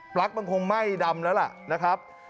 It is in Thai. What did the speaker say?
ลั๊กมันคงไหม้ดำแล้วล่ะนะครับ